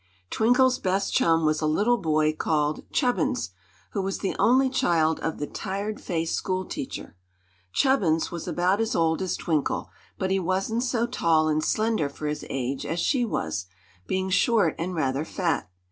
Twinkle's best chum was a little boy called Chubbins, who was the only child of the tired faced school teacher. Chubbins was about as old as Twinkle; but he wasn't so tall and slender for his age as she was, being short and rather fat.